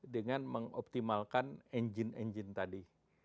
dengan mengoptimalkan engine engine tadi